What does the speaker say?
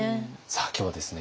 さあ今日はですね